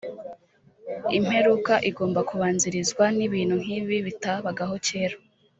Imperuka igomba kubanzirizwa n’ibintu nk’ibi bitabagaho kera